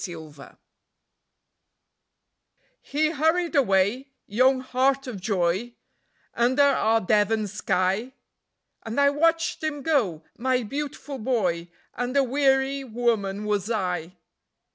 _ Son He hurried away, young heart of joy, under our Devon sky! And I watched him go, my beautiful boy, and a weary woman was I.